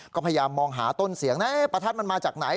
ก็พยายามมองหาต้นเสียงนะประทัดมันมาจากไหน